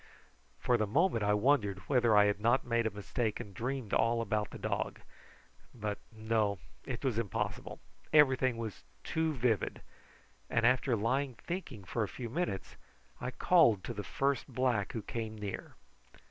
For the moment I wondered whether I had not made a mistake and dreamed all about the dog; but no, it was impossible, everything was too vivid, and after lying thinking for a few minutes I called to the first black who came near.